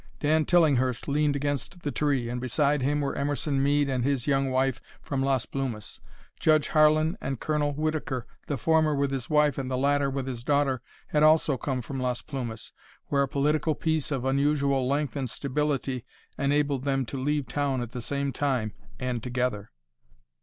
Dan Tillinghurst leaned against the tree, and beside him were Emerson Mead and his young wife, from Las Plumas. Judge Harlan and Colonel Whittaker, the former with his wife and the latter with his daughter, had also come from Las Plumas, where a political peace of unusual length and stability enabled them to leave town at the same time, and together.